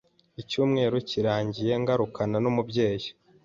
icyumweru kirangiye ngarukana n’umubyeyi